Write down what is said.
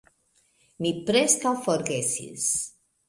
Mi preskaŭ forgesis